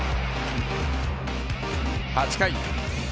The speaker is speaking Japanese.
８回。